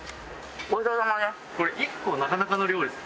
これ１個なかなかの量ですね。